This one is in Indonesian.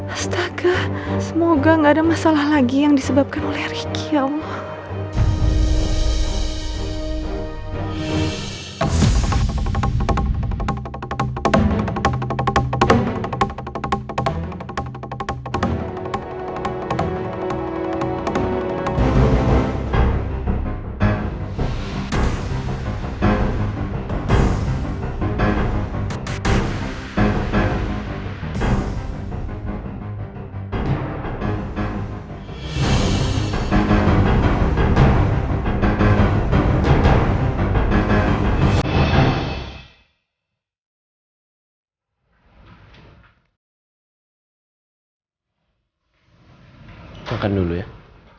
astaga semoga gak ada masalah lagi yang disebabkan oleh ricky ya allah